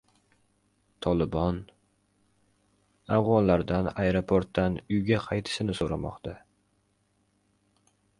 "Tolibon" afg‘onlardan aeroportdan uyga qaytishni so‘ramoqda